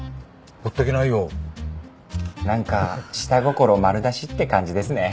なんか下心丸出しって感じですね。